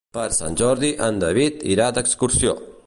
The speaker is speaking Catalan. Per Sant Jordi en David irà d'excursió.